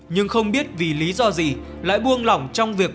nhưng không biết vì lý do gì lại buông lỏng trong việc